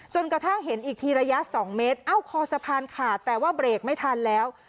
กระทั่งเห็นอีกทีระยะ๒เมตรเอ้าคอสะพานขาดแต่ว่าเบรกไม่ทันแล้ว